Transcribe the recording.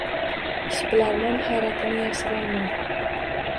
Ishbilarmon hayratini yashirolmadi